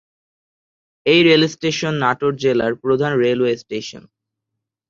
এই rail station Natore জেলার প্রধান রেলওয়ে স্টেশন।